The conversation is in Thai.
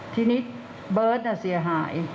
ทีนี้เบิร์ตเสียหาย